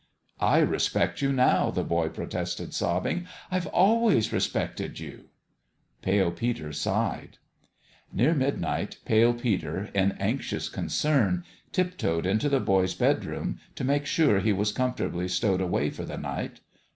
" I respect you now" the boy protested, sob bing. "I've ahvays respected you !" Pale Peter sighed. Near midnight, Pale Peter, in anxious concern, tiptoed into the boy's bedroom, to make sure that he was comfortably stowed away for the night.